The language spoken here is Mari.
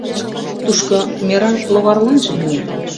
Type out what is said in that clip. Тушко мераҥ логарланже мия...